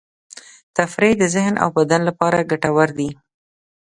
تفریح د ذهن او بدن لپاره ګټور دی.